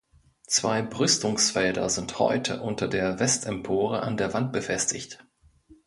Zwei Brüstungsfelder sind heute unter der Westempore an der Wand befestigt.